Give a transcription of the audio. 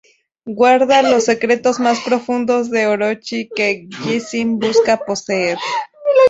Guarda los secretos más profundos de Orochi, que Geese busca poseer.